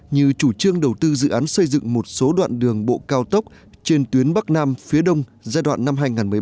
như chủ trương đầu tư dự án xây dựng một số đoạn đường bộ cao tốc trên tuyến bắc nam phía đông giai đoạn năm hai nghìn hai mươi hai nghìn hai mươi